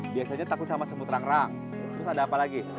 biasanya takut sama semut rang rang terus ada apa lagi